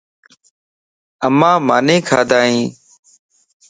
اما ماني کادايَ؟